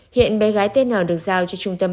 hiện bé gái tn được giao cho trung tâm bạc